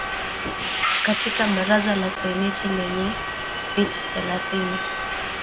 katika Baraza la Seneti lenye viti thelathini